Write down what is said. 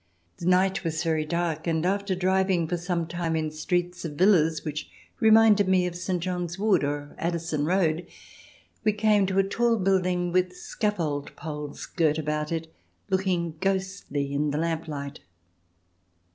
The night was very dark, and after driving for some time in streets of villas which reminded me of St. John's Wood or Addison Road, we came to a tall building with scaffold poles girt about it, looking ghostly in the lamplight.